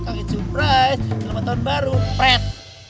kaki surprise selamat tahun baru pret